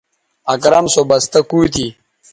اکرم سو بستہ کُو تھی